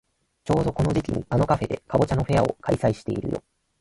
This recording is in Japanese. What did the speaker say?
ちょうどこの時期にあのカフェでかぼちゃのフェアを開催してるよ。